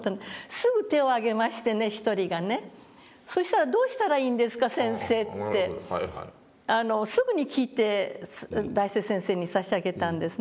すぐ手を挙げましてね１人がね「そしたらどうしたらいいんですか先生」ってすぐに聞いて大拙先生にさし上げたんですね。